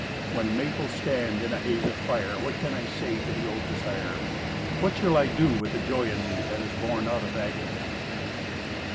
When maples stand in a haze of fire What can I say to the old desire, What shall I do with the joy in me That is born out of agony?